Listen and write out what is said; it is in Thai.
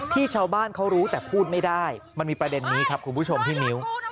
ชาวบ้านเขารู้แต่พูดไม่ได้มันมีประเด็นนี้ครับคุณผู้ชมพี่มิ้ว